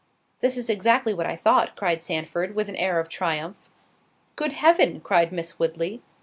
"This is exactly what I thought," cried Sandford, with an air of triumph. "Good heaven!" cried Miss Woodley.